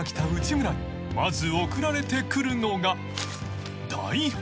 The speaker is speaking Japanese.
村にまず送られてくるのが台本］